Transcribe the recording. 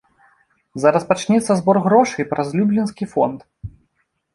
Зараз пачнецца збор грошай праз люблінскі фонд.